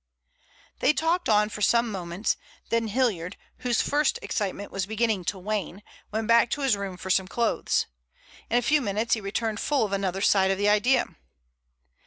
They talked on for some moments, then Hilliard, whose first excitement was beginning to wane, went back to his room for some clothes. In a few minutes he returned full of another side of the idea.